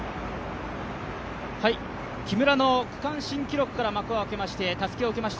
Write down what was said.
木村の区間新記録から幕を開けましてたすきを受けました